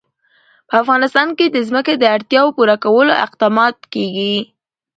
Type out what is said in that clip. په افغانستان کې د ځمکه د اړتیاوو پوره کولو اقدامات کېږي.